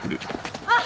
あっ！